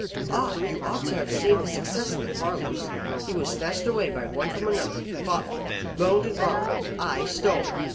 Ah, you ought to have seen his success in the parlours. He was snatched away by one from another, fought for, loaned and borrowed, ay, stolen.